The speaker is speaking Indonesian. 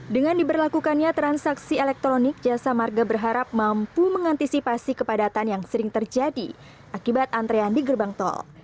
dengan diberlakukannya transaksi elektronik jasa marga berharap mampu mengantisipasi kepadatan yang sering terjadi akibat antrean di gerbang tol